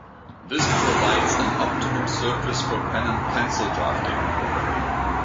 This provides an optimum surface for pen and pencil drafting.